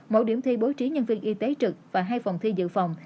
mỗi điểm thi bố trí nhân viên y tế trực và hai phòng thi dự phòng